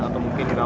atau mungkin juga